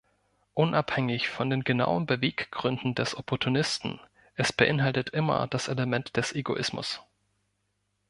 Unabhängig von den genauen Beweggründen des Opportunisten, es beinhaltet immer das Element des Egoismus.